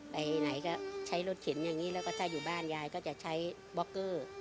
ไปไหนก็ใช้รถเข็นอย่างนี้แล้วก็ถ้าอยู่บ้านยายก็จะใช้บล็อกเกอร์